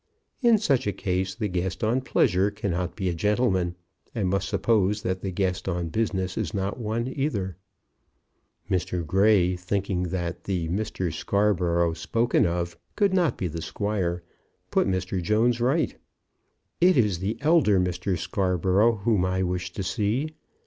In such a case the guest on pleasure cannot be a gentleman, and must suppose that the guest on business is not one either. Mr. Grey, thinking that the Mr. Scarborough spoken of could not be the squire, put Mr. Jones right. "It is the elder Mr. Scarborough whom I wish to see.